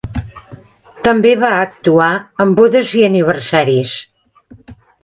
També va actuar en bodes i aniversaris.